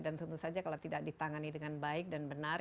dan tentu saja kalau tidak ditangani dengan baik dan benar